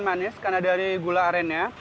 manis karena dari gula arennya